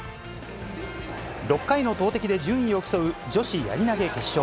６回の投てきで順位を競う、女子やり投げ決勝。